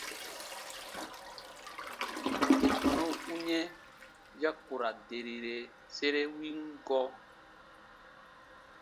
Yè tɔnu u yɛ̃ ya ku ra derire sere win gɔɔ.